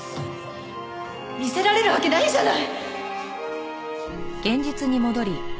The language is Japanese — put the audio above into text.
見せられるわけないじゃない！